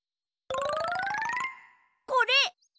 これ！